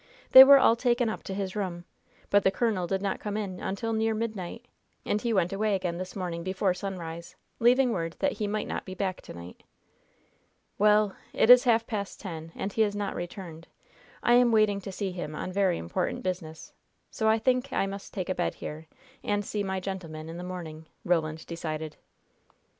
They were all taken up to his room, but the colonel did not come in until near midnight, and he went away again this morning before sunrise, leaving word that he might not be back to night." "Well, it is half past ten, and he has not returned. I am waiting to see him on very important business, so I think I must take a bed here, and see my gentleman in the morning," Roland decided.